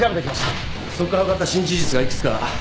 そこから分かった新事実が幾つか。